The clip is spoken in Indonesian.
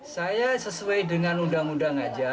saya sesuai dengan undang undang saja